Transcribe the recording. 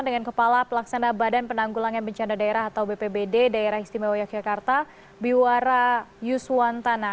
dengan kepala pelaksana badan penanggulangan bencana daerah atau bpbd daerah istimewa yogyakarta biwara yuswantana